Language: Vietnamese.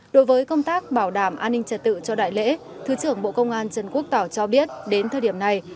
đối với công tác bảo đảm an ninh trật tự cho đại lễ thứ trưởng bộ công an trần quốc tỏ cho biết đến thời điểm này